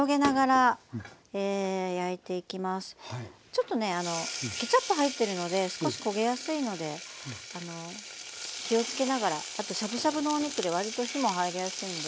ちょっとねあのケチャップ入ってるので少し焦げやすいので気をつけながらあとしゃぶしゃぶのお肉でわりと火も入りやすいので。